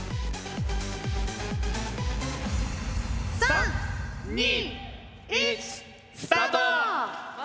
３・２・１スタート！